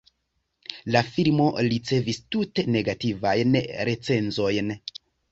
La filmo ricevis tute negativajn recenzojn.